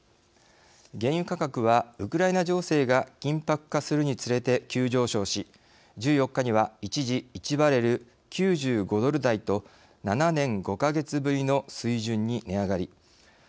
原油価格は、ウクライナ情勢が緊迫化するにつれて急上昇し１４日には一時１バレル９５ドル台と７年５か月ぶりの水準に値上がり。